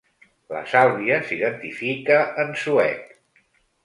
La Sàlvia s'identifica en suec.